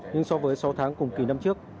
nhưng so với sáu tháng cùng kỳ năm trước